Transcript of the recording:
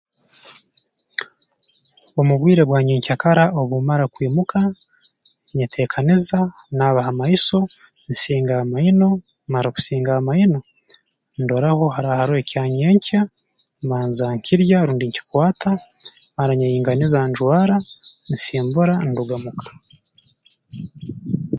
Omu bwire bwa nyenkyakara obu mara kwimuka nyeteekaniza naaba ha maiso nsinga amaino mara kusinga amaino ndoraho haraaba haroho ekyanyenkya mbanza nkirya rundi nkikwata mmara nyeyinganiza njwara nsimbura nduga muka